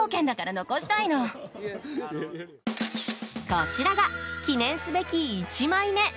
こちらが記念すべき１枚目。